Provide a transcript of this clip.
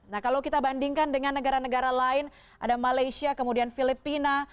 nah kalau kita bandingkan dengan negara negara lain ada malaysia kemudian filipina